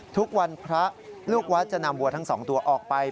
ทุกวันพระลูกวัดจะนำวัวทั้งสองตัวออกไป